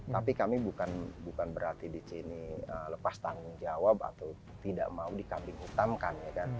tapi kami bukan berarti di sini lepas tanggung jawab atau tidak mau dikambing utamkan